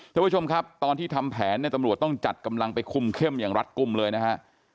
ท่านผู้ชมครับตอนที่ทำแผนเนี่ยตำรวจต้องจัดกำลังไปคุมเข้มอย่างรัฐกลุ่มเลยนะฮะ